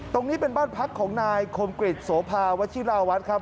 ตรงนี้เป็นบ้านพักของนายคมกริจโสภาวชิราวัฒน์ครับ